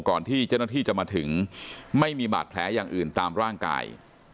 ก่อนที่เจ้าหน้าที่จะมาถึงไม่มีบาดแผลอย่างอื่นตามร่างกาย